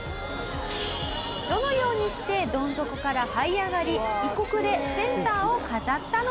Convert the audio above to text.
どのようにしてドン底からはい上がり異国でセンターを飾ったのか？